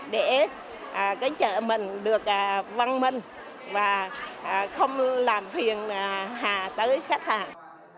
để cái chợ mình được văn minh và không làm phiền hà tới khách hàng